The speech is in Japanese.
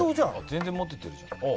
全然持ててるじゃん。